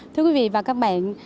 thưa quý vị và các bạn